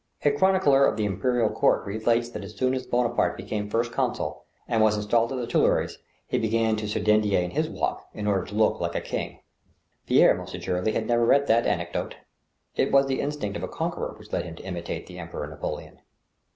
A chronicler of the imperial court relates that as soon as Bona parte became first consul, and was installed at the Tuileries, he began to se dandiner in his walk, in order to look hke a king. Pierre most assuredly had never read that anecdote. It was the instinct of a conqueror which led him to imitate the Emperor Napoleon.